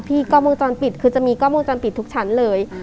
กล้องวงจรปิดคือจะมีกล้องวงจรปิดทุกชั้นเลย